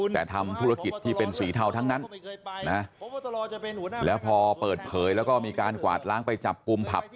แต่ทำธุรกิจที่เป็นสีเทาทั้งนั้นนะแล้วพอเปิดเผยแล้วก็มีการกวาดล้างไปจับกลุ่มผับ